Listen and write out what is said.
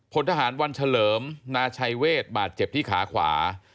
พลทหารวันเฉลิมนาชัยเวทบาดเจ็บที่ขาขวา